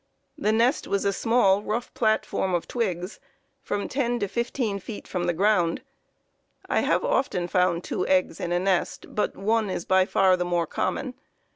The nest was a small, rough platform of twigs, from 10 to 15 feet from the ground. I have often found two eggs in a nest, but one is by far the more common.